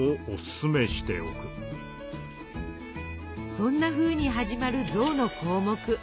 そんなふうに始まる「象」の項目。